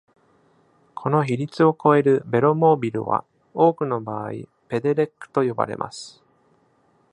この比率を超えるベロモービルは、多くの場合ペデレックと呼ばれます。